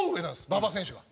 馬場選手が。